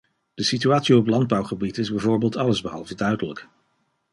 De situatie op landbouwgebied is bijvoorbeeld allesbehalve duidelijk.